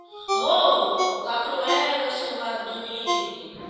Ho, la kruela sovaĝulino.